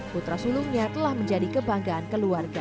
putra sulungnya telah menjadi kebanggaan keluarga